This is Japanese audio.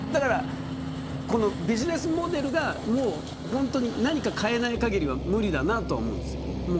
このビジネスモデルが何か変えない限りは無理だと思います。